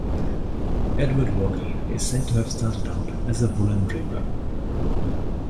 Edward Whalley is said to have started out as a woollen-draper.